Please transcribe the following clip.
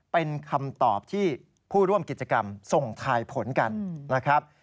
เป็นคำตอบที่ผู้ร่วมกิจกรรมส่งทายผลกันนะครับ